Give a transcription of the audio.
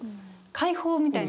解放みたいな。